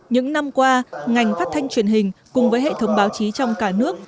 những năm qua ngành phát thanh truyền hình cùng với hệ thống báo chí trong cả nước